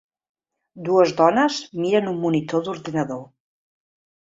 Dues dones miren un monitor d'ordinador.